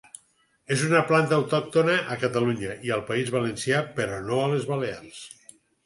És una planta autòctona a Catalunya i el País Valencià però no a les Balears.